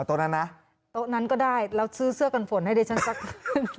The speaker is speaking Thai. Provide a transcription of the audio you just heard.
โต๊ะนั้นนะโต๊ะนั้นก็ได้แล้วซื้อเสื้อกันฝนให้ดิฉันสักครึ่ง